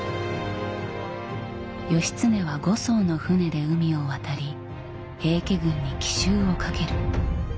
義経は５艘の舟で海を渡り平家軍に奇襲をかける。